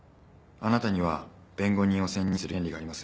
あなたには弁護人を選任する権利があります。